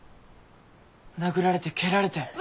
殴られて蹴られて。